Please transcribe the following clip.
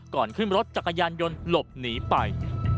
ก่อนขึ้นรถจักรยานยนต์หลบหนีไป